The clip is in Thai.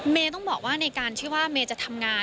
ต้องบอกว่าในการที่ว่าเมย์จะทำงาน